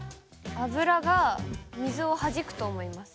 油が水をはじくと思います。